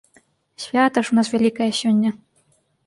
Свята ж у нас вялікае сёння.